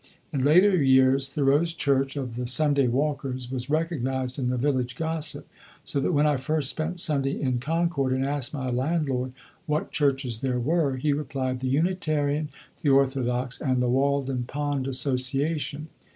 In later years, Thoreau's church (of the Sunday Walkers) was recognized in the village gossip; so that when I first spent Sunday in Concord, and asked my landlord what churches there were, he replied, "The Unitarian, the Orthodox, and the Walden Pond Association."